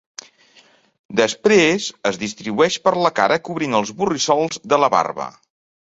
Després, es distribueix per la cara cobrint els borrissols de la barba.